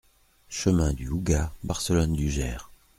Chemin du Houga, Barcelonne-du-Gers